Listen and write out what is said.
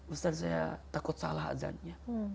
ustadz saya takut salah adzannya